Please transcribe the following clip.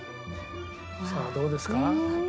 さあどうですか？